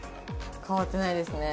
変わってないですね。